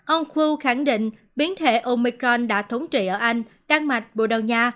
ông fu khẳng định biến thể omicron đã thống trị ở anh đan mạch bồ đào nha